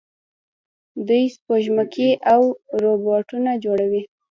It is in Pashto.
دوی سپوږمکۍ او روباټونه جوړوي.